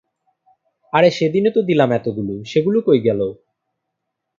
আরে সেদিনই তো দিলাম এতোগুলো, সেগুলো কই গেলো?